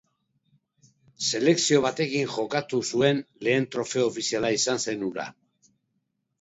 Selekzio batekin jokatu zuen lehen trofeo ofiziala izan zen hura.